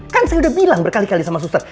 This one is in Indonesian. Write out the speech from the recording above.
kan saya udah bilang berkali kali sama suster